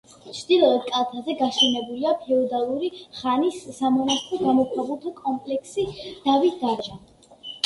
ჩრდილოეთ კალთაზე გაშენებულია ფეოდალური ხანის სამონასტრო გამოქვაბულთა კომპლექსი დავითგარეჯა.